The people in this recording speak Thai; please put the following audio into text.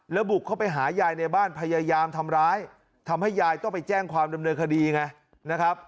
แล้วบุกเข้าไปหายายในบ้านพยายามทำร้ายทำให้ยายต้องไปแจ้งความดำเนินคดีไงนะครับ